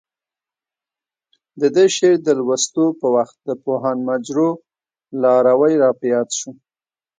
د دې شعر د لوستو په وخت د پوهاند مجروح لاروی راپه یاد شو.